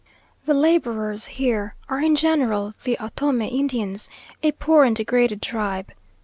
The labourers here are in general the Ottomie Indians, a poor and degraded tribe.